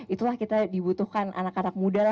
itulah kita dibutuhkan anak anak muda